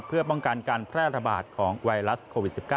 เพื่อป้องกันการแพร่ระบาดของไวรัสโควิด๑๙